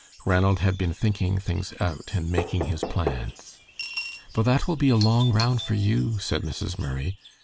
Ranald had been thinking things out and making his plans. "But that will be a long round for you," said Mrs. Murray.